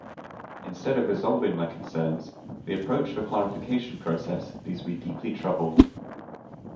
Instead of resolving my concerns, the approach for clarification process leaves me deeply troubled.